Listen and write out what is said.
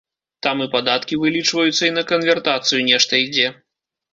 Там і падаткі вылічваюцца, і на канвертацыю нешта ідзе.